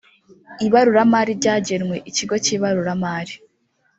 ibaruramari ryagenwe ikigo kibaruramari.